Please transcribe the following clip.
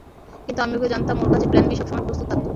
কিন্তু আমি ওকে জানতাম, ওর কাছে প্ল্যান বি সবসময় প্রস্তুত থাকত।